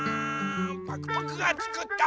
パクパクがつくった